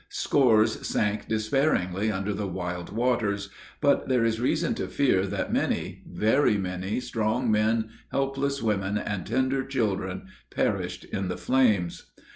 Scores sank despairingly under the wild waters; but there is reason to fear that many, very many, strong men, helpless women, and tender children perished in the flames.